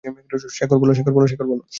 শেখর, বলো।